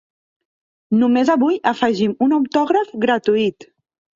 Només avui afegim un autògraf gratuït!